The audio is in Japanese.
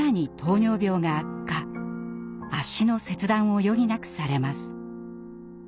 脚の切断を余儀なくされます。